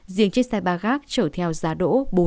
riêng chiếc xe ba gác chở theo giá đỗ